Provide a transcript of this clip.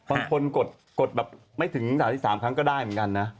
บางคนกดแบบไม่ถึง๓๓ครั้งก็ได้เหมือนกันนะ